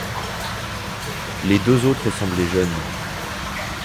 Les deux autres semblaient jeunes.